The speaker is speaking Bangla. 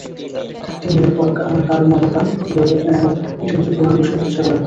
তিনি কার্মা-ব্কা'-ব্র্গ্যুদ নামক একটি নতুন ধর্মীয় গোষ্ঠীর প্রতিষ্ঠা করেন।